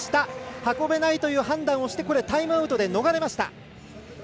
運べないという判断をしてタイムアウトで逃れました。